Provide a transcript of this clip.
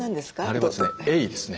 あれはですねエイですね。